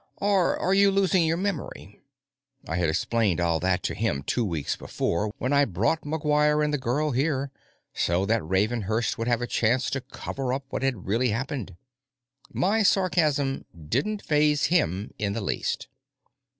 "Or are you losing your memory?" I had explained all that to him two weeks before, when I'd brought McGuire and the girl here, so that Ravenhurst would have a chance to cover up what had really happened. My sarcasm didn't faze him in the least.